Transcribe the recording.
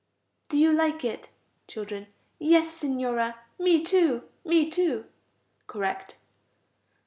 Do you like it? Children. Yes, Signora. Me too, me too (correct).